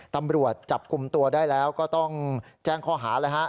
ตำรวจจับกลุ่มตัวได้แล้วก็ต้องแจ้งข้อหาเลยฮะ